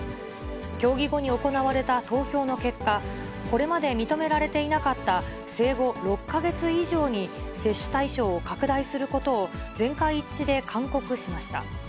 協議後に行われた投票の結果、これまで認められていなかった生後６か月以上に接種対象を拡大することを、全会一致で勧告しました。